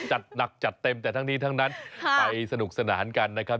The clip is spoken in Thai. จัดหนักจัดเต็มแต่ทั้งนี้ทั้งนั้นไปสนุกสนานกันนะครับ